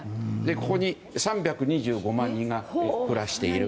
ここに３２５万人が暮らしている。